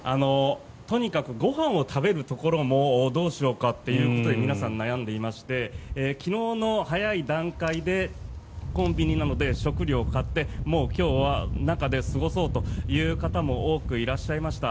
とにかくご飯を食べるところもどうしようかということに皆さん悩んでいまして昨日の早い段階でコンビニなどで食料を買ってもう今日は中で過ごそうという方も多くいらっしゃいました。